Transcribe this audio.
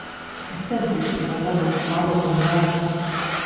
Es centīšos, lai dabūtu kāroto darbu.